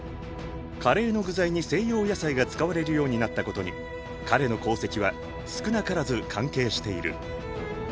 カレーの具材に西洋野菜が使われるようになったことに彼の功績は少なからず関係している。